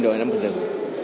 đó là một lần